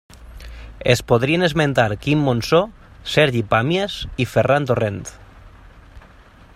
Es podrien esmentar Quim Monzó, Sergi Pàmies i Ferran Torrent.